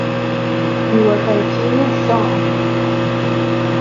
Ni gua kakjinus soʼö.